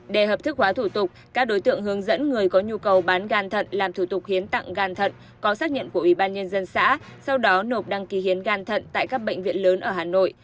để hợp thức hóa thủ tục các đối tượng hướng dẫn người có nhu cầu bán gan thận làm thủ tục hiến tặng gan thận có xác nhận của ủy ban nhân dân xã sau đó nộp đăng ký hiến gan thận tại các bệnh viện lớn ở hà nội